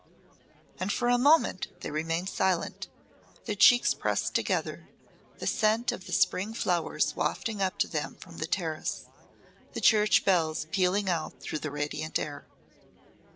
And for a moment they remained silent, their cheeks pressed together, the scent of the spring flowers wafting up to them from the terrace, the church bells pealing out through the radiant air.